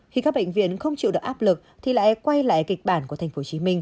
khi các bệnh viện không chịu được áp lực thì lại quay lại kịch bản của tp hcm